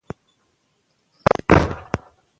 افغانستان د هرات د ولایت له امله شهرت لري.